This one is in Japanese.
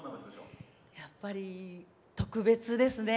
やっぱり特別ですね。